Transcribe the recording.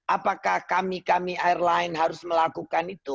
apakah kami kami airline harus melakukan itu